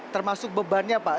termasuk bebannya pak